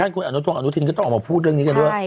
ถึงแค่คุณอนุทินก็ต้องออกมาพูดเรื่องนี้กันด้วยใช่